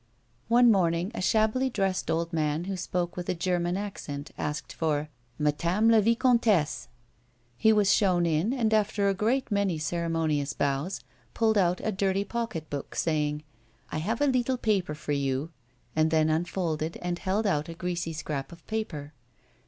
One morning, a shabbily dressed old man who spoke with a German accent asked for, "Matame la vicomtesse." He was shown in, and, after a great many ceremonious bows pulled out a dirty pocket book, saying • A WOMAN'S LIFE. 203 " I have a leetle paper for you," and tben unfolded, and held out a greasy scrap of paper.